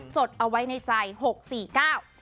จดเอาไว้ในใจหกสี่เก้า